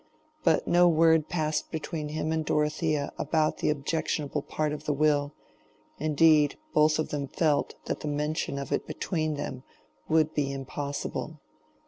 But no word passed between him and Dorothea about the objectionable part of the will; indeed, both of them felt that the mention of it between them would be impossible.